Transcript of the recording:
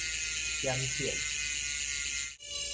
減省